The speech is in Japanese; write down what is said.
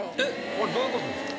これどういうことですか？